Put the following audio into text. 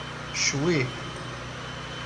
Ccwi!